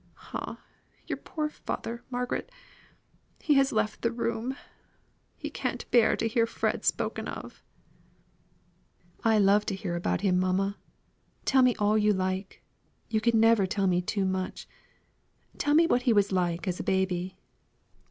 Ah! Your poor father, Margaret. He has left the room. He can't bear to hear Fred spoken of." "I love to hear about him, mamma. Tell me all you like; you never can tell me too much. Tell me what he was like as a baby."